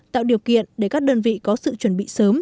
tạo điều kiện để các đơn vị có sự chuẩn bị sớm